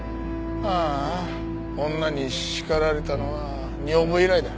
あーあ女に叱られたのは女房以来だ。